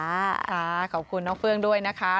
ขอบคุณน้องเฟื้องด้วยนะคะ